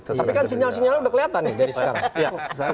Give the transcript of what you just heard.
sinyal sinyalnya udah kelihatan nih dari sekarang